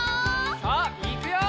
さあいくよ！